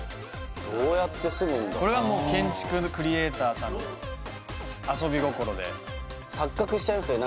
どうやって住むんだこれはもう建築クリエイターさんの遊び心で錯覚しちゃいますよ